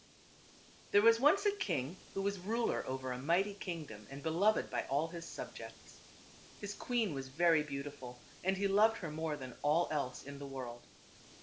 There was once a king who was ruler over a mighty kingdom and beloved by all his subjects. His queen was very beautiful and he loved her more than all else in the world.